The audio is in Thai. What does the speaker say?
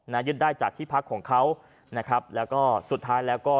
ยึดได้จากที่พักของเขานะครับแล้วก็สุดท้ายแล้วก็